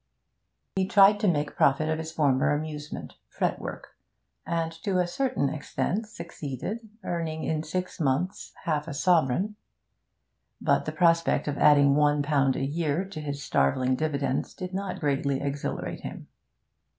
He tried to make profit of his former amusement, fretwork, and to a certain extent succeeded, earning in six months half a sovereign. But the prospect of adding one pound a year to his starveling dividends did not greatly exhilarate him.